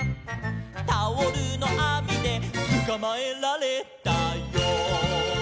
「タオルのあみでつかまえられたよ」